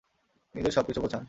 নিজের সবকিছু গোছান।